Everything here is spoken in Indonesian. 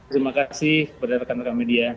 terima kasih kepada rekan rekan media